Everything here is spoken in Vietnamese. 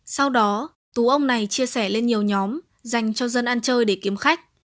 sau đó tú ông này chia sẻ lên nhiều nhóm dành cho dân ăn chơi để kiếm khách